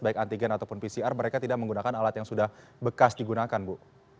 baik antigen ataupun pcr mereka tidak menggunakan alat yang sudah bekas digunakan bu